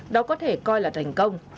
đó có thể coi là thành công